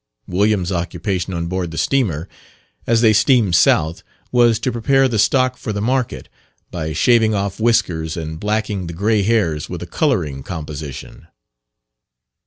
William's occupation on board the steamer, as they steamed south, was to prepare the stock for the market, by shaving off whiskers and blacking the grey hairs with a colouring composition.